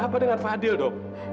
ada apa dengan fadil dok